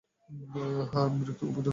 হ্যাঁ, আমি বিরক্ত, খুব বিরক্ত।